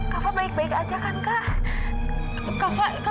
kava baik baik aja kan kak